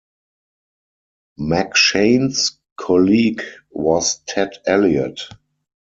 McShane's colleague was Ted Elliott.